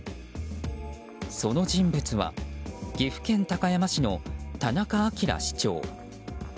その人物は岐阜県高山市の田中明市長。